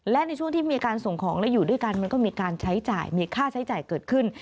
และในช่วงที่มีการส่งของและอยู่ด้วยกันมันก็มีการใช้จ่ายมีค่าใช้จ่ายเกิดขึ้น